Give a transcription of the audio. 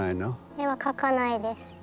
絵は描かないです。